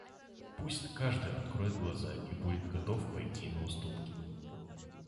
Пусть каждый откроет глаза и будет готов пойти на уступки!